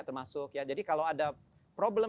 termasuk ya jadi kalau ada problem